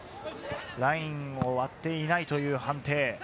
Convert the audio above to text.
ラインを割っていないという判定。